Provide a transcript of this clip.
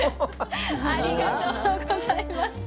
ありがとうございます。